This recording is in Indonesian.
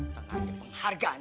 tengah ada penghargaan